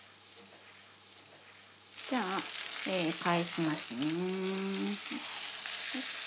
じゃあ返しますね。